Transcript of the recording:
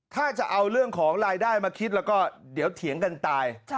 ถ้าจะเอาเรื่องของรายได้มาคิดแล้วก็เดี๋ยวเถียงกันตาย